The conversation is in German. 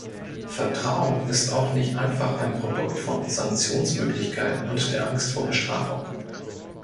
Vertrauen ist auch nicht einfach ein Produkt von Sanktionsmöglichkeiten und der Angst vor Bestrafung.